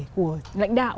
của lãnh đạo